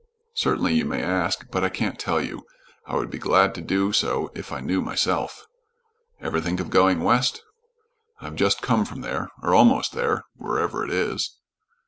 "Certainly you may ask, but I can't tell you. I would be glad to do so if I knew myself." "Ever think of going west?" "I've just come from there or almost there whereever it is."